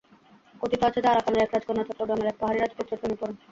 কথিত আছে যে, আরাকানের এক রাজকন্যা চট্টগ্রামের এক পাহাড়ি রাজপুত্রের প্রেমে পড়েন।